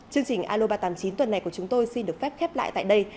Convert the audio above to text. chương trình alo ba trăm tám mươi chín tuần này của chúng tôi xin được phép khép lại tại đây